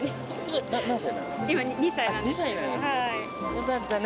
よかったね